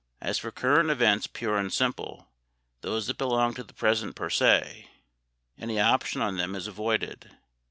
As for current events pure and simple, those that belong to the present per se, any option on them is avoided.